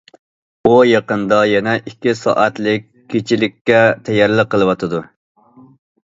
ئۇ يېقىندا يەنە ئىككى سائەتلىك كېچىلىككە تەييارلىق قىلىۋاتىدۇ.